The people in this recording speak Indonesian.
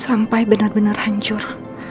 sampai benar benar hancur